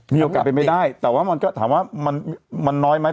มีโอกาสเป็นไปได้แต่ว่ามันก็ถามว่ามันน้อยไหม